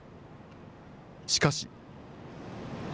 しかし。